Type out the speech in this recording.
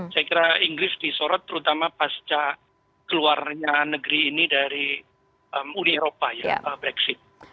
saya kira inggris disorot terutama pasca keluarnya negeri ini dari uni eropa ya brexit